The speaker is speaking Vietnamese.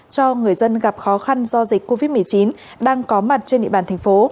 cho người dân gặp khó khăn do dịch covid một mươi chín đang có mặt trên địa bàn tp